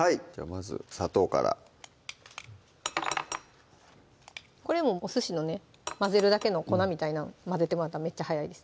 まず砂糖からこれもおすしのね混ぜるだけの粉みたいなん混ぜてもらったらめっちゃ早いです